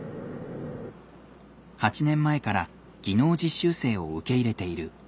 ８年前から技能実習生を受け入れている縫製工場です。